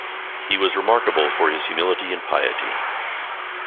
He was remarkable for his humility and piety.